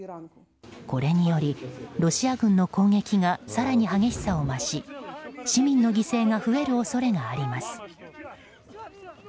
これによりロシア軍の攻撃が更に激しさを増し市民の犠牲が増える恐れがあります。